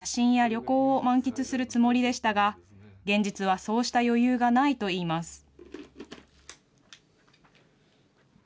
定年後は、趣味の写真や旅行を満喫するつもりでしたが、現実はそうした余裕がないといいます。